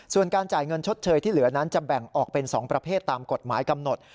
ส่วนการจ่ายเงินชดเชยที่เหลือนั้นจะแบ่งออกเป็น๒ประเภทตามกฎหมายกำหนด